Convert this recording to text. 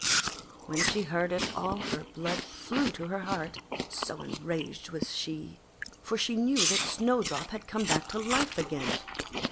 When she heard it all her blood flew to her heart, so enraged was she, for she knew that Snowdrop had come back to life again.